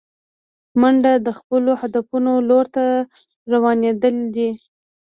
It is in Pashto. منډه د خپلو هدفونو لور ته روانېدل دي